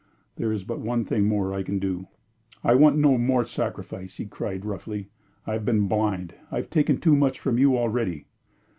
There is but one thing more I can do " "I want no more sacrifice!" he cried, roughly. "I've been blind. I've taken too much from you already."